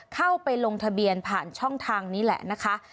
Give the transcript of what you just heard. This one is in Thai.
เข้าไปลงทะเบียนผ่านช่องทางนี้แหละนะคะ